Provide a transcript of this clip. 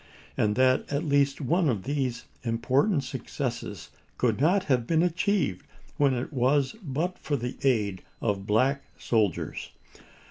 and that at least one of these important successes could not have been achieved when it was but for the aid of black soldiers.